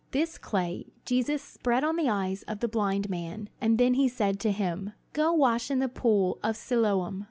This clay Jesus spread on the eyes of the blind man; and then he said to him: "Go wash in the pool of Siloam."